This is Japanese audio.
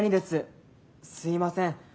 すいません。